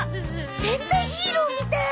戦隊ヒーローみたい！